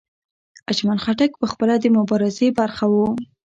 اجمل خټک پخپله د مبارزې برخه و.